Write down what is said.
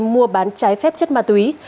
mua bán trái phép chất ma túy